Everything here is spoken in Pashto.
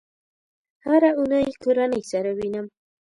هره اونۍ کورنۍ سره وینم